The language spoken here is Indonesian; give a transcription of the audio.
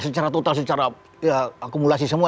secara total secara akumulasi semua